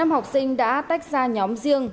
năm học sinh đã tách ra nhóm riêng